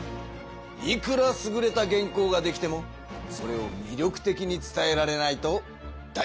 いくらすぐれた原稿ができてもそれをみりょくてきに伝えられないとだいなしだぞ。